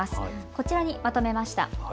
こちらにまとめました。